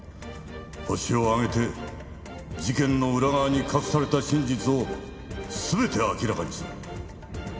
ホシを挙げて事件の裏側に隠された真実を全て明らかにする。